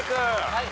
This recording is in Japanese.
はい。